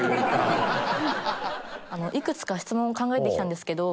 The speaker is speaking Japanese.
いくつか質問を考えてきたんですけど。